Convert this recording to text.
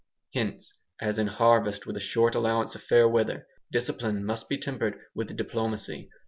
Hence, as in harvest with a short allowance of fair weather, discipline must be tempered with diplomacy.